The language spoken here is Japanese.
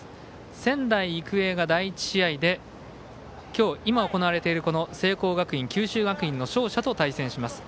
仙台育英が第１試合で今、行われている、聖光学院九州学院の勝者と対戦します。